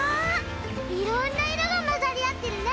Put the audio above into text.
いろんないろがまざりあってるね！